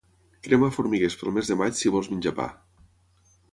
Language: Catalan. Crema formiguers pel mes de maig si vols menjar pa.